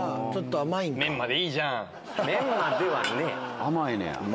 甘いねや。